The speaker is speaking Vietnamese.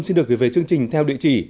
và đối với trung quốc